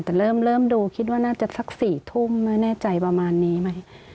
แต่เริ่มดูคิดว่าน่าจะสัก๔ทุ่มไม่แน่ใจประมาณนี้ไหม